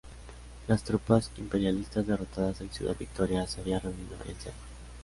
Las tropas imperialistas derrotadas en Ciudad Victoria se habían reunido en Cd.